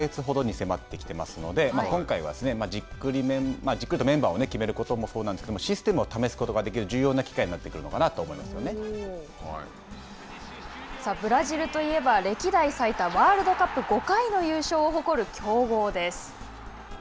９月の強化試合に入るころには大会は２か月ほどに迫ってきていますので、今回はじっくりとメンバーを決めることもそうなんですけど、システムを試すことができる重要な機会になってくるのかなとブラジルといえば歴代最多ワールドカップ５回の優勝を誇る強豪です。